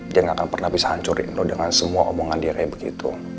dia gak akan pernah bisa hancurin lo dengan semua omongan dia kayak begitu